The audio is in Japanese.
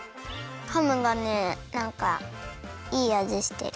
ハムがねなんかいいあじしてる。